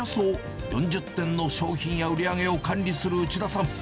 およそ４０点の商品や売り上げを管理する内田さん。